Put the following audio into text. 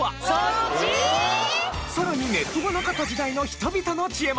さらにネットがなかった時代の人々の知恵も。